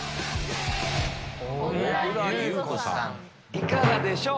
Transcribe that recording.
いかがでしょう？